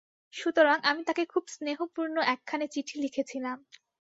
সুতরাং আমি তাকে খুব স্নেহপূর্ণ একখানি চিঠি লিখেছিলাম।